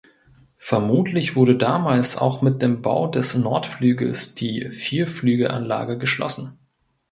Vermutlich wurde damals auch mit dem Bau des Nordflügels die Vierflügelanlage geschlossen.